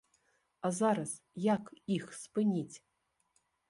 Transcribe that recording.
А зараз як іх спыніць?